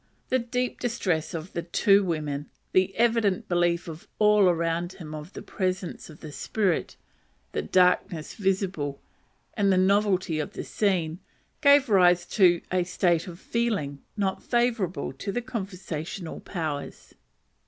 The deep distress of the two women, the evident belief of all around him of the presence of the spirit, the "darkness visible," and the novelty of the scene, gave rise to a state of feeling not favourable to the conversational powers.